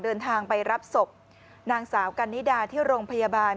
เดินทางไปรับศพนางสาวกันนิดาที่โรงพยาบาล